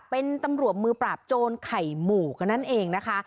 เป็นตำรวจมือปราบโจรไข่หมู่กันนั่นเองนะคะ